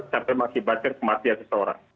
sampai masih batin kematian seseorang